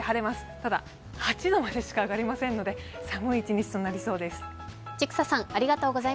ただ８度までしか上がりませんので寒い一日となりそうです。